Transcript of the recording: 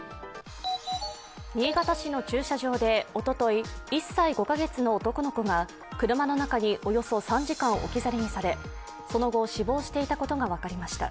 新潟市の駐車場でおととい、１歳５カ月の男の子が車の中におよそ３時間置き去りにされ、その後、死亡していたことが分かりました。